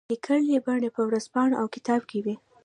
لیکلي بڼه په ورځپاڼه او کتاب کې وي.